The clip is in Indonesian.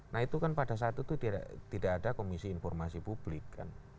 nah itu kan pada saat itu tidak ada komisi informasi publik kan